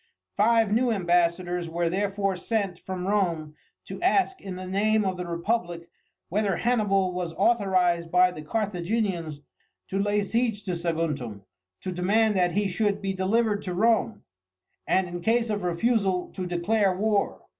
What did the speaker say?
Five new ambassadors were therefore sent from Rome to ask in the name of the republic whether Hannibal was authorized by the Carthaginians to lay siege to Saguntum, to demand that he should be delivered to Rome, and, in case of refusal, to declare war.